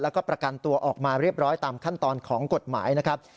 แล้วก็ประกันตัวออกมาเรียบร้อยตามขั้นตอนของกฎหมายนะครับ